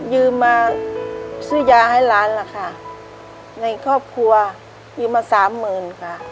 ยืมมาซื้อยาให้หลานล่ะค่ะในครอบครัวยืมมาสามหมื่นค่ะ